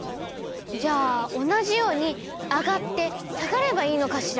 じゃあ同じように上がって下がればいいのかしら。